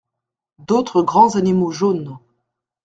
D’autres grands animaux jaunes.